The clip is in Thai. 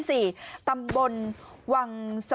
พี่ทำยังไงฮะ